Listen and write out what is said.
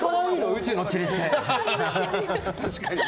宇宙のちりって。